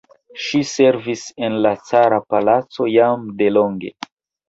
Ŝi servis en la cara palaco jam de longe.